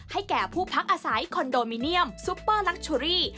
แก่ผู้พักอาศัยคอนโดมิเนียมซุปเปอร์ลักเชอรี่